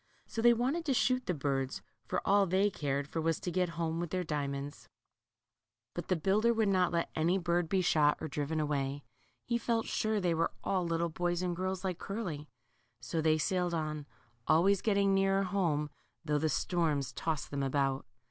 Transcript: So they wanted to shoot the birds, for all they cared for was to get home with their diamonds. LITTLE GURLY. 127 But the builder would not let any bird be shot or driven away. He felt sure they were all little boys and girls like Curly. So they sailed on, always getting nearer home, though the storms tossed them about.